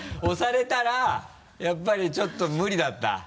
押されたらやっぱりちょっと無理だった？